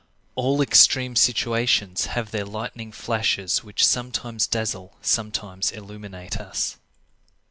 All extreme situations have their lightning flashes which sometimes dazzle, sometimes illuminate us.